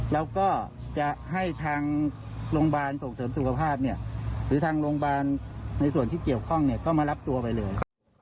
แล้วก็จะให้ทางโรงพยาบาลส่งเสริมสุขภาพเนี่ยหรือทางโรงพยาบาลในส่วนที่เกี่ยวข้องก็มารับตัวไปเลย